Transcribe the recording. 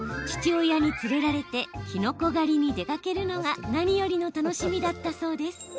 父親に連れられてきのこ狩りに出かけるのが何よりの楽しみだったそうです。